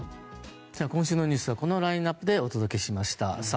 今週のニュースはこのラインアップでお届けしました。